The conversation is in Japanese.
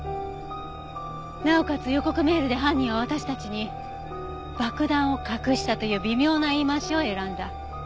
なおかつ予告メールで犯人は私たちに「爆弾を隠した」という微妙な言い回しを選んだ。